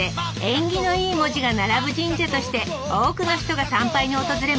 縁起のいい文字が並ぶ神社として多くの人が参拝に訪れます。